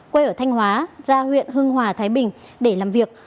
quê ở thanh hóa ra huyện hưng hòa thái bình để làm việc